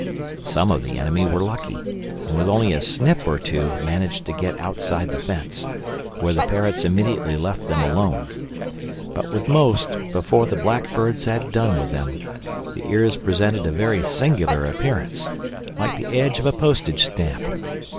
Some of the enemy were lucky; and with only a snip or two managed to get outside the fence—where the parrots immediately left them alone. But with most, before the black birds had done with them, the ears presented a very singular appearance—like the edge of a postage stamp.